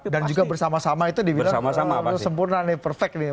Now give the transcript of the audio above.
dan juga bersama sama itu di bilang sempurna nih perfect nih